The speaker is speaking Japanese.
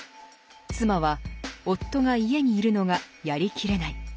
妻は夫が家に居るのがやりきれない。